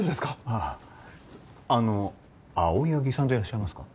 あああの青柳さんでいらっしゃいますか？